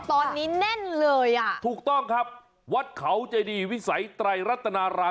ตอนนี้แน่นเลยอ่ะถูกต้องครับวัดเขาเจดีวิสัยไตรรัตนาราม